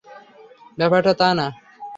ব্যাপারটা তা না।